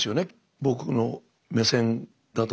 僕の目線だと。